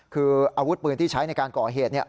คืออาวุธปืนที่ใช้ในการก่อเหตุ